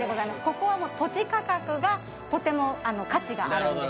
ここはもう土地価格がとても価値があるんですね